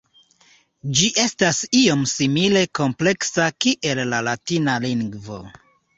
Ĝi estas iom simile kompleksa kiel la latina lingvo.